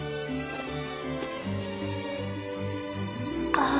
ああ！